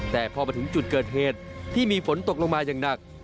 แต่พอมาถึงจุดเกิดเหตุที่มีฝนตกลงมาอย่างหนัก